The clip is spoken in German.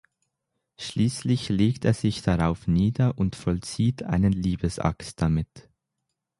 Schließlich legt er sich darauf nieder und vollzieht einen Liebesakt damit.